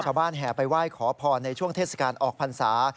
แห่ไปไหว้ขอพรในช่วงเทศกาลออกพรรษา